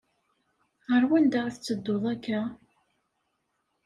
Ɣer wanda i tettedduḍ akka?